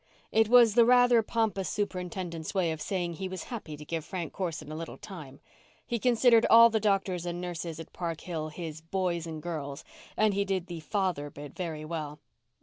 It was the rather pompous superintendent's way of saying he was happy to give Frank Corson a little time. He considered all the doctors and nurses at Park Hill his "boys and girls," and he did the "father" bit very well.